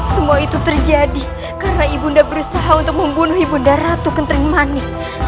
semua itu terjadi karena ibunda berusaha untuk membunuh ibunda ratu kentering mani